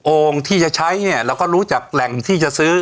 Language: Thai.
ที่จะใช้เนี่ยเราก็รู้จากแหล่งที่จะซื้อ